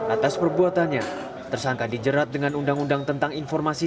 atas perbuatannya tersangka dijerat dengan undang undang tentang informasi